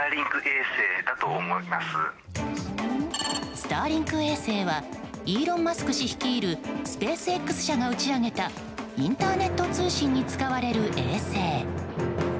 スターリンク衛星はイーロン・マスク氏率いるスペースＸ社が打ち上げたインターネット通信に使われる衛星。